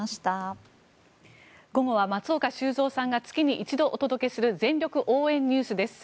午後は、松岡修造さんが月に一度お届けする全力応援ＮＥＷＳです。